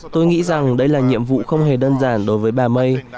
tôi nghĩ rằng đây là nhiệm vụ không hề đơn giản đối với bà may